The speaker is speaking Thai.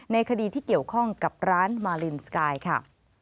ในคดีที่เกี่ยวข้องกับร้านมาลินสกายค่ะ